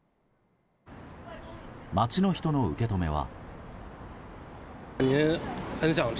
街の人の受け止めは。